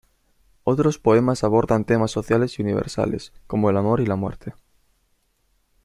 Otros poemas abordan temas sociales y universales, como el amor y la muerte.